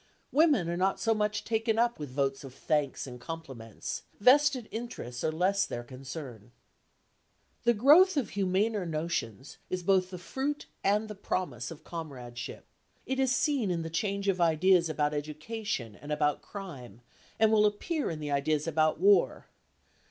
Women are not so much taken up with votes of thanks and compliments; vested interests are less their concern. The growth of humaner notions is both the fruit and the promise of comradeship; it is seen in the change of ideas about education and about crime and will appear in the ideas about war.